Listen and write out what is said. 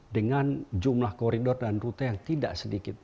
dengan jumlah koridor dan rute yang tidak sedikit